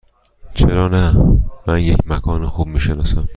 چرا نه؟ من یک مکان خوب می شناسم.